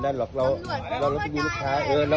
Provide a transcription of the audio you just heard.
มันไล่แยะสอบเหมือนกันอย่างเนี้ยครับ